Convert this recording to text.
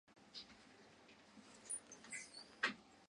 そう思うよね？